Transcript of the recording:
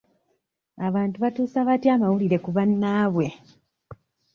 Abantu batuusa batya amawulire ku bannaabwe?